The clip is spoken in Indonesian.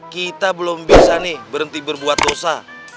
kita belum bisa nih berhenti berbuat dosa